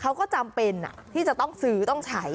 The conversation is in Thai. เขาก็จำเป็นที่จะต้องซื้อต้องใช้